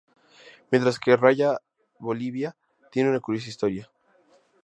Mientras que "Raya Bolivia" tiene una curiosa historia.